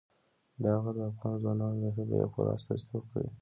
دا غر د افغان ځوانانو د هیلو پوره استازیتوب کوي.